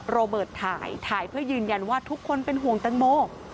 โรเบิร์ตถ่ายถ่ายเพื่อยืนยันว่าทุกคนเป็นห่วงแตงโม